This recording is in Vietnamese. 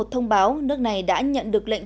thông báo nước này đã nhận được lệnh